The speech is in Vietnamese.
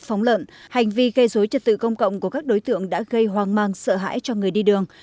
phóng lợn hành vi gây dối trật tự công cộng của các đối tượng đã gây hoang mang sợ hãi cho người đi đường